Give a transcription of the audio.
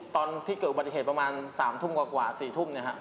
ตอนที่เกิดอุบัติเหตุประมาณ๓ทุ่มกว่า๔ทุ่ม